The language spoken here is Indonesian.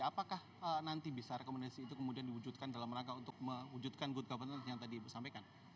apakah nanti bisa rekomendasi itu kemudian diwujudkan dalam rangka untuk mewujudkan good governance yang tadi ibu sampaikan